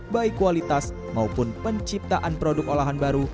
baik kualitas maupun penciptaan produk olahan baru